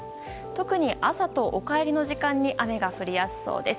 特に朝とお帰りの時間に雨が降りやすそうです。